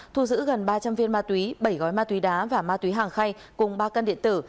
thu giữ gần ba trăm linh viên mạc túy bảy gói mạc túy đá và mạc túy hàng khay cùng ba căn điện tử